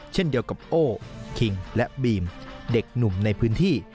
เช่นเดียวกับโอ้คิงและบีมเด็กหนุ่มในพื้นที่